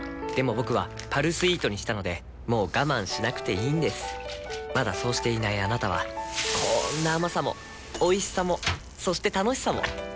僕は「パルスイート」にしたのでもう我慢しなくていいんですまだそうしていないあなたはこんな甘さもおいしさもそして楽しさもあちっ。